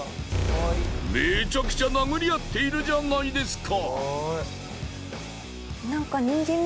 めちゃくちゃ殴り合っているじゃないですか。